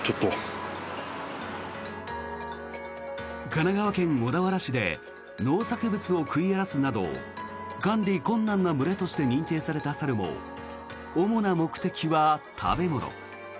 神奈川県小田原市で農作物を食い荒らすなど管理困難な群れとして認定された猿も主な目的は食べ物。